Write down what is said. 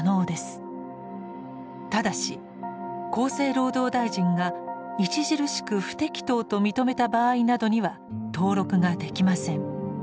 ただし厚生労働大臣が「著しく不適当」と認めた場合などには登録ができません。